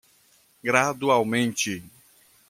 Gradualmente